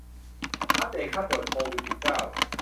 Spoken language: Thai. อัปเดตค่าตรวจโควิด สิบเก้า